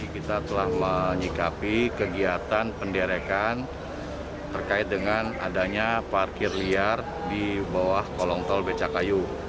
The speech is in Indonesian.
kita telah menyikapi kegiatan penderekan terkait dengan adanya parkir liar di bawah kolong tol becakayu